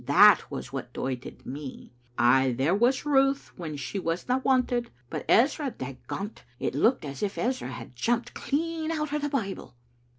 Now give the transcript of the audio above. That was what doited me. Ay, there was Ruth when she wasna wanted, but Ezra, dagont, it looked as if Ezra had jumped clean out o' the Bible."